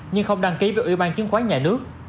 nhưng không đăng ký vào ủy ban chứng khoán nhà nước